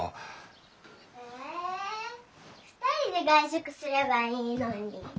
え２人で外食すればいいのに。